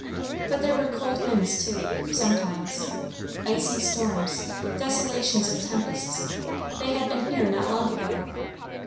But there were cold winds, too, sometimes; icy storms; desolations of tempests; they had been here not long ago.